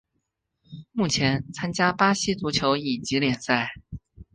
目前参加巴西足球乙级联赛。